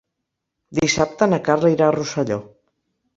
Dissabte na Carla irà a Rosselló.